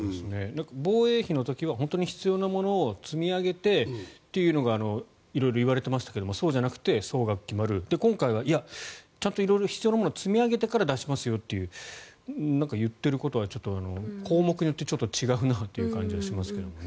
防衛費の時は本当に必要なものを積み上げてということが色々言われていましたがそうじゃなくて総額が決まる今回はいや、ちゃんと色々必要なものを積み上げてから出しますよとなんか言っていることが項目によって違うなという感じがしますけどね。